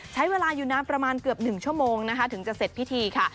ใช้เวลาอยู่นานประมาณเกือบ๑ชั่วโมงนะคะถึงจะเสร็จพิธีค่ะ